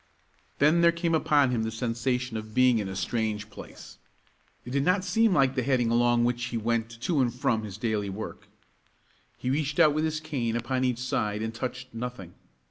Then there came upon him the sensation of being in a strange place. It did not seem like the heading along which he went to and from his daily work. He reached out with his cane upon each side, and touched nothing.